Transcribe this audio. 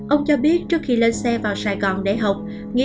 ông cho biết trước khi lên xe vào sài gòn để học